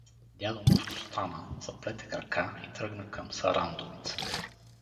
Дядо Моско стана, заплете крака и тръгна към Сарандовица.